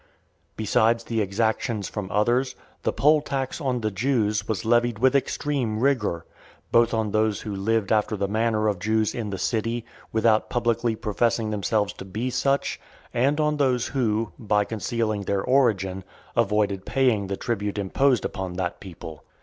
Besides the exactions from others, the poll tax on the Jews was levied with extreme rigour, both on those who lived after the manner of Jews in the city, without publicly professing themselves to be such , and on those who, by (490) concealing their origin, avoided paying the tribute imposed upon that people.